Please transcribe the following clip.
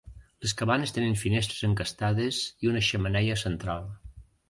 Les cabanes tenen finestres encastades i una xemeneia central.